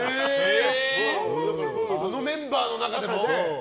あのメンバーの中でも？